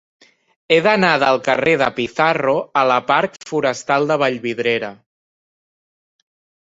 He d'anar del carrer de Pizarro a la parc Forestal de Vallvidrera.